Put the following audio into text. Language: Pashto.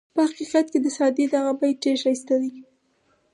په حقیقت کې د سعدي دا بیت ډېر ښه دی.